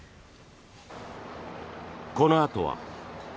このあとは。